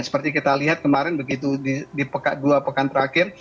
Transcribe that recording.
seperti kita lihat kemarin begitu di dua pekan terakhir